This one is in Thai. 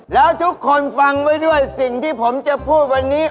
แล้วทุกคนฟังไว้ด้วยสิ่งที่ผมจะพูดวันนี้